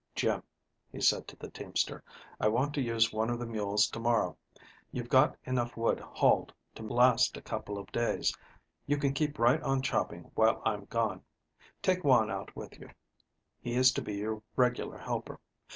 "Jim," he said, to the teamster, "I want to use one of the mules to morrow. You've got enough wood hauled to last a couple of days. You can keep right on chopping while I'm gone. Take Juan out with you. He is to be your regular helper.